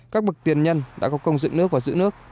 các bậc tiền nhân đã có công dựng nước và giữ nước